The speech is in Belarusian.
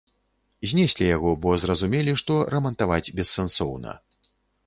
Знеслі яго, бо зразумелі, што рамантаваць бессэнсоўна.